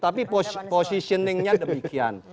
tapi positioningnya demikian